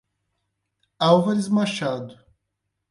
Álvares Machado